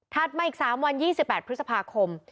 มาอีก๓วัน๒๘พฤษภาคม